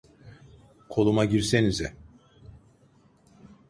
Koluma girsenize!